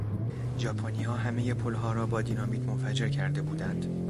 ژاپنیها همهی پلها را با دینامیت منفجر کرده بودند.